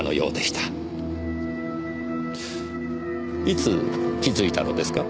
いつ気づいたのですか？